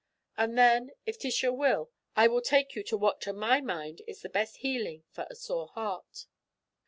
And then, if 'tis your will, I will take you to what to my mind is the best healing for a sore heart."